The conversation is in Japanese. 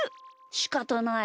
しかたない。